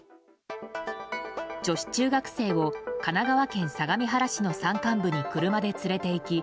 女子中学生を神奈川県相模原市の山間部に車で連れていき